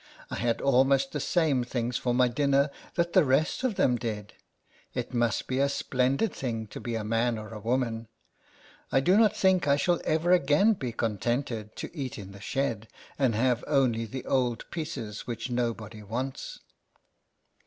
I had almost the same things for my dinner that the rest of them did : it must be a splendid thing to be a man or a woman ! I do not think I shall ever again be contented to eat in the shed, and have only the old pieces which no body wants.